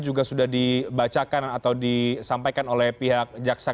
juga sudah dibacakan atau disampaikan oleh pihak jaksa